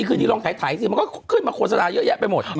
คือที่ลองถ่ายสิมันก็ขนสนาเยอะแยะไปหมด